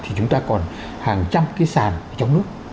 thì chúng ta còn hàng trăm cái sàn trong nước